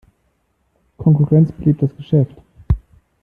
Konkurrenz belebt das Geschäft.